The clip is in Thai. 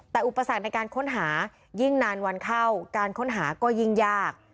แต่อุปสรรคในการค้นหายิ่งนานวันเข้าการค้นหาก็ยิ่งยาก